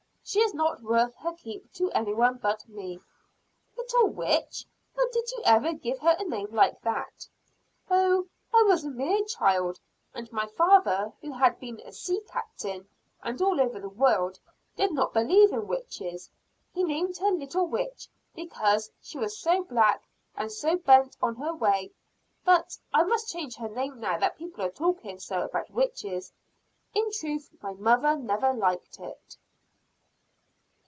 She is not worth her keep to any one but me." "Little Witch! Why did you ever give her a name like that?" "Oh, I was a mere child and my father, who had been a sea captain, and all over the world, did not believe in witches. He named her "Little Witch" because she was so black, and so bent on her own way. But I must change her name now that people are talking so about witches. In truth my mother never liked it."